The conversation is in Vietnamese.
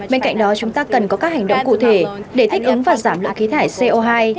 bên cạnh đó chúng ta cần có các hành động cụ thể để thích ứng và giảm lãng khí thải co hai